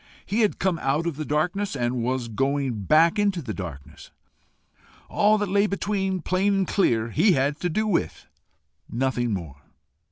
He had come out of the darkness, and was going back into the darkness; all that lay between, plain and clear, he had to do with nothing more.